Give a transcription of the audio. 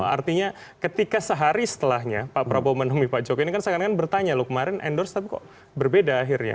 artinya ketika sehari setelahnya pak prabowo menemui pak jokowi ini kan seakan akan bertanya loh kemarin endorse tapi kok berbeda akhirnya